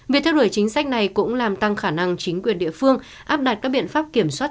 việc theo đuổi chính sách này cũng làm tăng khả năng chính quyền địa phương áp đặt các biện pháp kiểm soát